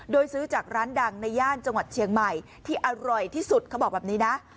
โดยซื้อจากร้านดังในย่านจังหวัดเชียงใหม่ที่อร่อยที่สุดเขาบอกแบบนี้นะ